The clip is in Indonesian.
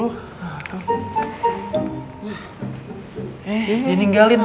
buat aja aja tinggalin gue